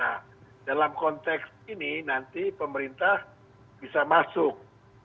nah dalam konteks ini nanti pemerintah bisa masuk